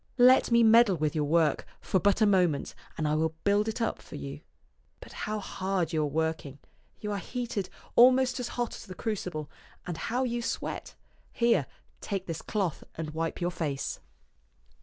Let me meddle with your work for but a moment and I will build it up for you. But how hard you are working ! You are heated almost as hot as the crucible, and how you sweat ! Here, take this cloth and wipe your face."